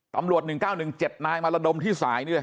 ๑๙๑๗นายมาระดมที่สายนี่เลย